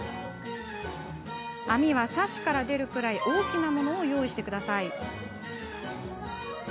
網はサッシから出るくらい大きなものを用意してください。